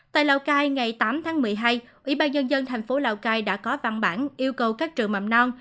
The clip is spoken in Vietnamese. tại lào cai ngày tám tháng một mươi hai ủy ban nhân dân thành phố lào cai đã có văn bản yêu cầu các trường mầm non